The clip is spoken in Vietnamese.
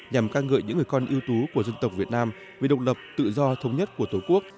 nhằm ca ngợi những người con ưu tú của dân tộc việt nam vì độc lập tự do thống nhất của tổ quốc